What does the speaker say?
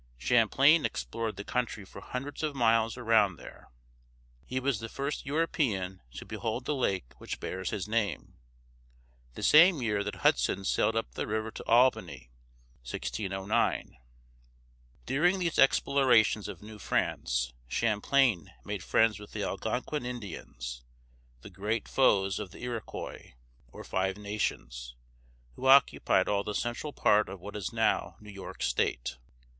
Champlain explored the country for hundreds of miles around there. He was the first European to behold the lake which bears his name, the same year that Hudson sailed up the river to Albany (1609). During these explorations of New France, Champlain made friends with the Al gon´quin Indians, the great foes of the Ir o quois´ (or Five Nations), who occupied all the central part of what is now New York state. [Illustration: Old Quebec.